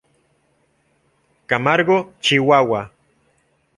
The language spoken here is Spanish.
Camargo, Chihuahua.